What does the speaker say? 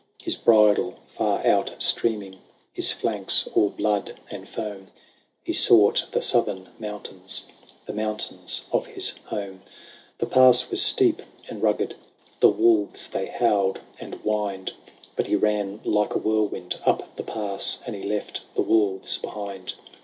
His bridle far out streaming. His flanks all blood and foam, BATTLE OF THE LAKE REGILLUS. 123 _:^.^ He sought the southern mountains, The mountains of his home. The pass was steep and rugged. The wolves they howled and whined ; But he ran like a whirlwind up the pass, And he left the wolves behind.